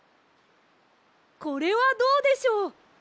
これはどうでしょう。